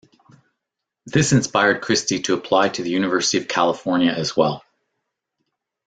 This inspired Christy to apply to the University of California as well.